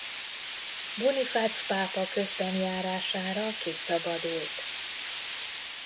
Bonifác pápa közbenjárására kiszabadult.